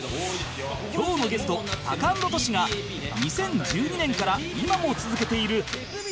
今日のゲストタカアンドトシが２０１２年から今も続けている大事なライブがある